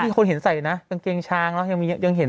มีคนเห็นใส่นะกางเกงช้างยังเห็นต่างอยู่